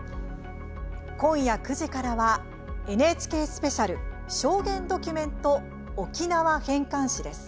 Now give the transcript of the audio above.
今夜９時からは「ＮＨＫスペシャル証言ドキュメント“沖縄返還史”」です。